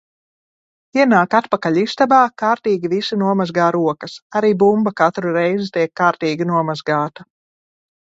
Ienāk atpakaļ istabā, kārtīgi visi nomazgā rokas. Arī bumba katru reizi tiek kārtīgi nomazgāta.